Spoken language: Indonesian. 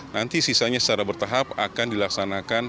nanti sisanya secara bertahap akan dilaksanakan